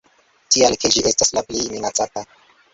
Tial, ke ĝi estas la plej minacata.